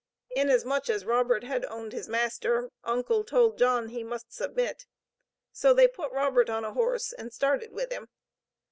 Inasmuch as Robert had owned his master, Uncle told John he must submit, so they put Robert on a horse, and started with him.